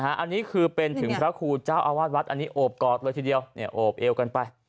อันนี้คือเป็นถึงพระครูเจ้าอาวาสวัดอันนี้โอบกอดเลยทีเดียวโอบเอวกันไป